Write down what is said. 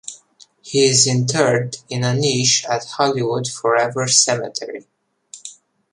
He is interred in a niche at Hollywood Forever Cemetery.